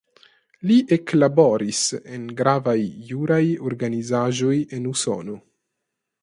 Li eklaboris en gravaj juraj organizaĵoj en Usono.